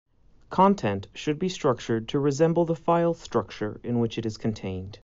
Content should be structured to resemble the file structure in which it is contained.